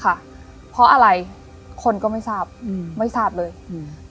ค่ะเพราะอะไรคนก็ไม่ทราบอืมไม่ทราบเลยอืม